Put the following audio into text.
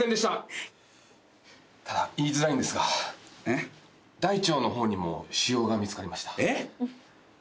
ただ言いづらいんですが大腸の方にも腫瘍が見つかりました。